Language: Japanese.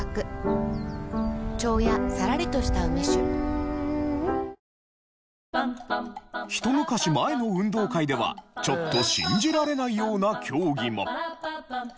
最高の渇きにＤＲＹひと昔前の運動会ではちょっと信じられないような競技も。